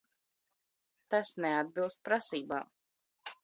Tas neatbilst pras?b?m.